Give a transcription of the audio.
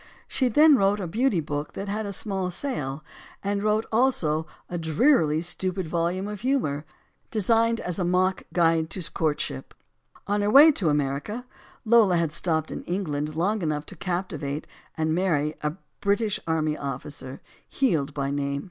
She then wrote a beauty book that had a small sale, and wrote also a drearily stupid volume of humor, designed as a mock "Guide to Courtship." On her way to America, Lola had stopped in Eng land long enough to captivate and marry a British army officer, Heald by name.